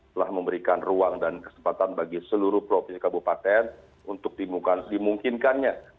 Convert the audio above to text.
telah memberikan ruang dan kesempatan bagi seluruh provinsi kabupaten untuk dimungkinkannya